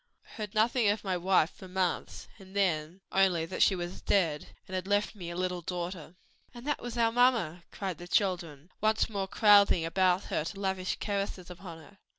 I heard nothing of my wife for months, and then only that she was dead and had left me a little daughter." "And that was our mamma!" cried the children, once more crowding about her to lavish caresses upon her.